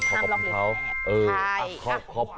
พี่พินโย